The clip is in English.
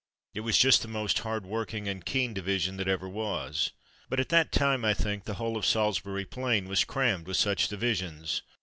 It was just the most hard working and keen division that ever was, but at that time I think the whole of SaHsbury Plain was crammed with such divisions.